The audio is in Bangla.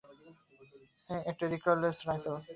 একটা রিকয়েললেস রাইফেল।